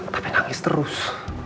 tapi nangis terus